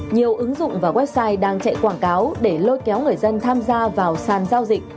nhiều ứng dụng và website đang chạy quảng cáo để lôi kéo người dân tham gia vào sàn giao dịch